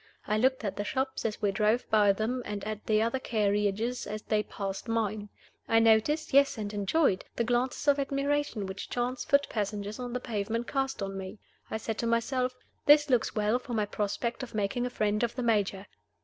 I looked at the shops as we drove by them, and at the other carriages as they passed mine. I noticed yes, and enjoyed the glances of admiration which chance foot passengers on the pavement cast on me. I said to myself, "This looks well for my prospect of making a friend of the Major!"